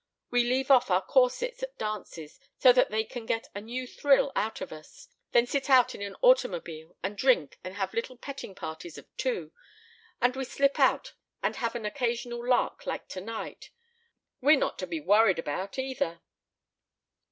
We leave off our corsets at dances so they can get a new thrill out of us, then sit out in an automobile and drink and have little petting parties of two. And we slip out and have an occasional lark like tonight. We're not to be worried about, either."